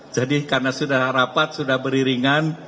jadi karena sudah rapat sudah beriringan